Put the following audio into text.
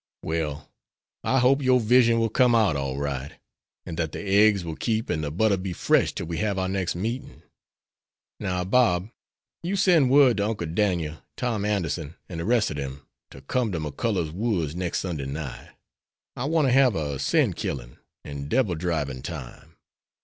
"Well, I hope your vision will come out all right, and that the eggs will keep and the butter be fresh till we have our next meetin'." "Now, Bob, you sen' word to Uncle Dan'el, Tom Anderson, an' de rest ob dem, to come to McCullough's woods nex' Sunday night. I want to hab a sin killin' an' debil dribin' time.